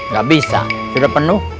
gak bisa sudah penuh